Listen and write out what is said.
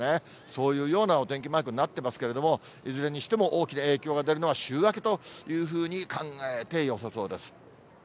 そういうようなお天気マークになっていますけれども、いずれにしても大きな影響が出るのは、週明けというふうに考えてよさそうです。